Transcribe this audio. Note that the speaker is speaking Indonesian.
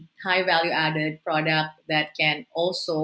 dan berharga yang tinggi yang bisa